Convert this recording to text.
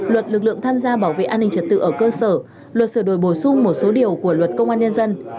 luật lực lượng tham gia bảo vệ an ninh trật tự ở cơ sở luật sửa đổi bổ sung một số điều của luật công an nhân dân